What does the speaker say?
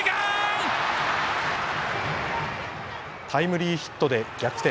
タイムリーヒットで逆転。